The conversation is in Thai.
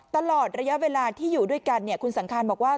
ตลอดระยะเวลาที่อยู่ด้วยกันคุณสังคารบอกว่า